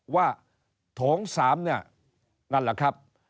ว่าโถง๓เนี่ยนั่นล่ะครับ